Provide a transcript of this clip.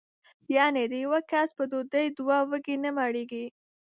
یعنې د یوه کس په ډوډۍ دوه وږي نه مړېږي.